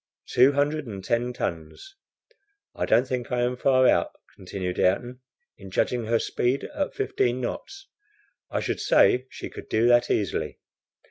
"Two hundred and ten tons." "I don't think I am far out," continued Ayrton, "in judging her speed at fifteen knots. I should say she could do that easily."